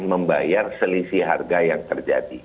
membayar selisih harga yang terjadi